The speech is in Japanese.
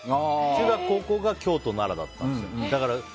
中学、高校が京都、奈良だったんです。